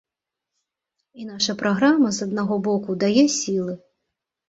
І наша праграма, з аднаго боку, дае сілы.